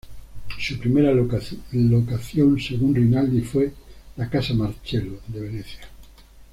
Su primera locación según Rinaldi fue la "Casa Marcello" de Venecia.